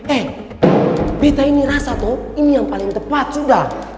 eh kita ini rasa tuh ini yang paling tepat sudah